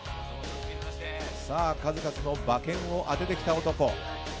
数々の馬券を当ててきた男。